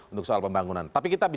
untuk soal pembangunan